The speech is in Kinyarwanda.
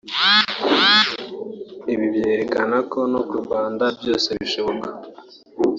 ibi byerekana ko no ku Rwanda byashoboka